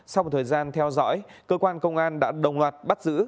sau một thời gian theo dõi cơ quan công an đã đồng loạt bắt giữ